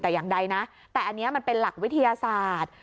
แต่อย่างใดนะแต่อันนี้มันเป็นหลักวิทยาศาสตร์